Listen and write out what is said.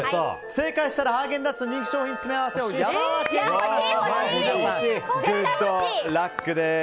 正解したらハーゲンダッツ人気商品詰め合わせを山分けです。